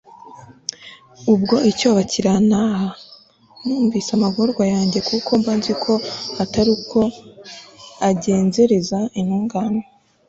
ubwo icyoba kirantaha, nibutse amagorwa yanjye, kuko mba nzi ko atari uko ugenzereza intungane